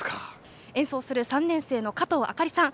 演奏する３年生のかとうあかりさん。